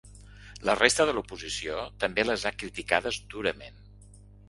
La resta de l’oposició també les ha criticades durament.